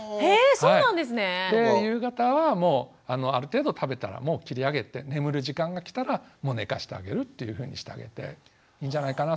夕方はもうある程度食べたらもう切り上げて眠る時間が来たらもう寝かしてあげるというふうにしてあげていいんじゃないかな。